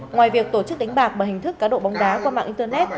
ngoài việc tổ chức đánh bạc bằng hình thức cá độ bóng đá qua mạng internet